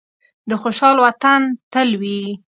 د خوشحال وطن تل وي.